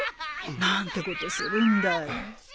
何てことするんだい。